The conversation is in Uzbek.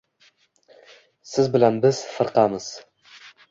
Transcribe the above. Siz bilan biz firqamiz.